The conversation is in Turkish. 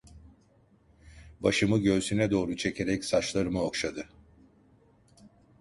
Başımı göğsüne doğru çekerek saçlarımı okşadı.